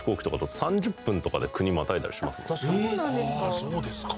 そうですか。